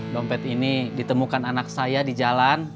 dompet ini ditemukan anak saya di jalan